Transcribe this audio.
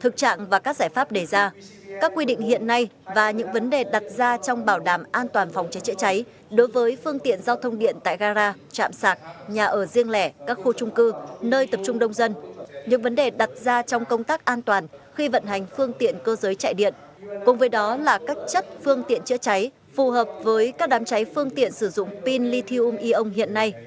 thực trạng và các giải pháp đề ra các quy định hiện nay và những vấn đề đặt ra trong bảo đảm an toàn phòng cháy chữa cháy đối với phương tiện giao thông điện tại gara trạm sạc nhà ở riêng lẻ các khu trung cư nơi tập trung đông dân những vấn đề đặt ra trong công tác an toàn khi vận hành phương tiện cơ giới chạy điện cùng với đó là các chất phương tiện chữa cháy phù hợp với các đám cháy phương tiện sử dụng pin lithium ion hiện nay